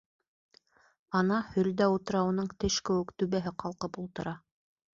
Ана һөлдә утрауының теш кеүек түбәһе ҡалҡып ултыра.